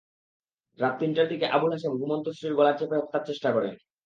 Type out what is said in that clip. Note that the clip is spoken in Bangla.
রাত তিনটার দিকে আবুল হাসেম ঘুমন্ত স্ত্রীর গলা চেপে হত্যার চেষ্টা করেন।